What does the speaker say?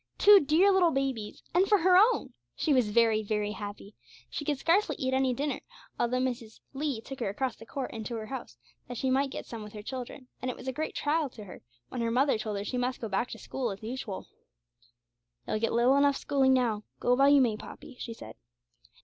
Two dear little babies! And for her own! She was very very happy. She could scarcely eat any dinner, although Mrs. Lee took her across the court into her house, that she might get some with her children, and it was a great trial to her when her mother told her she must go back to school as usual. 'You'll get little enough schooling now, go while you may, Poppy,' she said.